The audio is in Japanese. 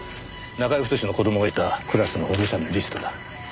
中居太の子供がいたクラスの保護者のリストだ。